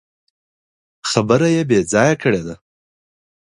خبره يې بې ځايه کړې ده.